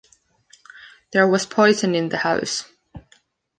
There was poison in the house.